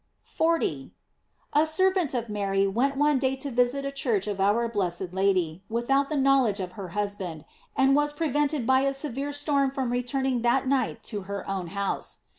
* 40. — A servant of Mary went one day to visit a church of our blessed Lady, without the knowl edge of her husband, and she was prevented by a severe storm from returning that night to her own house.